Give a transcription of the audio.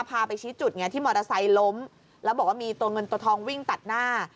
พาไปชี้จุดไงที่มอเตอร์ไซค์ล้มแล้วบอกว่ามีตัวเงินตัวทองวิ่งตัดหน้า